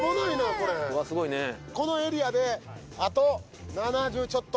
このエリアであと７０ちょっと。